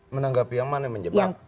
menanggapi yang mana yang menjebak